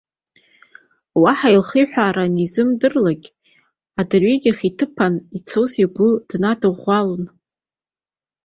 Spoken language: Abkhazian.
Уаҳа илхиҳәаара анизымдырлак, адырҩегьых иҭыԥаны ицоз игәы деиҭанадирӷәӷәалон.